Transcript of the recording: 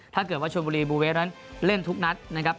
ถ้าเกิดว่าชนบุรีบูเวฟนั้นเล่นทุกนัดนะครับ